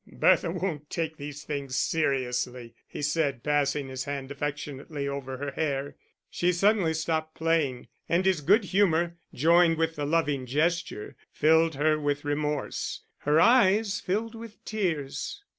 "Bertha won't take these things seriously," he said, passing his hand affectionately over her hair. She suddenly stopped playing, and his good humour, joined with the loving gesture, filled her with remorse. Her eyes filled with tears.